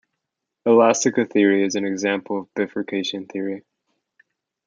Elastica theory is an example of bifurcation theory.